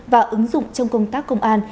và ứng dụng trong công tác công an